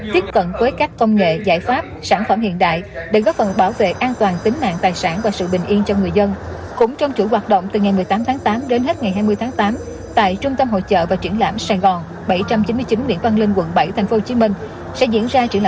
tiếp cận với các công nghệ giải pháp sản phẩm hiện đại để góp phần bảo vệ an toàn tính nạn tài sản và sự bình yên cho người dân